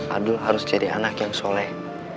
adul harus cari anak yang soleh